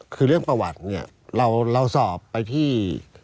คือเรื่องประวัติเนี่ยเราสอบไปที่